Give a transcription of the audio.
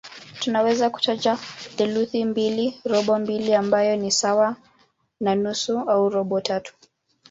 Tunaweza kutaja theluthi mbili, robo mbili ambayo ni sawa na nusu au robo tatu.